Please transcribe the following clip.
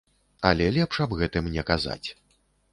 Але лепш аб гэтым не казаць.